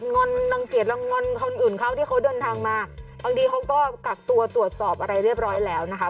งอนรังเกียจลังงอนคนอื่นเขาที่เขาเดินทางมาบางทีเขาก็กักตัวตรวจสอบอะไรเรียบร้อยแล้วนะคะ